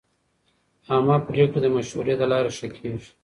عامه پریکړې د مشورې له لارې ښه کېږي.